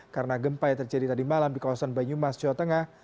karena gempa yang terjadi tadi malam di kawasan banyumas jawa tengah